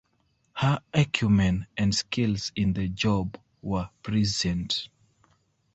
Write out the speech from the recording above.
Her acumen and skills in the job were prescient.